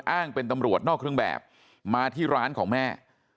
อ้างเป็นตำรวจนอกเครื่องแบบมาที่ร้านของแม่